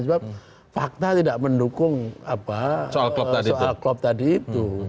sebab fakta tidak mendukung soal klub tadi itu